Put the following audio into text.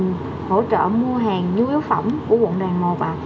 mô hình hỗ trợ mua hàng nhu yếu phẩm của quận đoàn một ạ